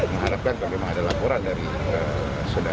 diharapkan kalau memang ada laporan dari kisela